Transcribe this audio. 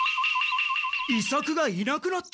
伊作がいなくなった？